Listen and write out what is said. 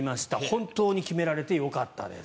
本当に決められてよかったです。